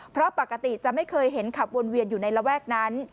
เพราะปกติจะไม่เคยเห็นขับวนเวียนอยู่ในระแวกนั้น